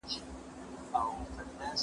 په کار کي تبعیض کول منع دي.